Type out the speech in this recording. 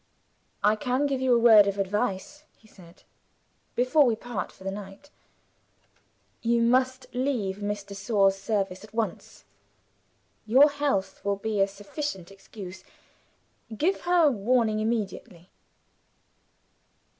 "I can give you a word of advice," he said, "before we part for the night. You must leave Miss de Sor's service at once. Your health will be a sufficient excuse. Give her warning immediately."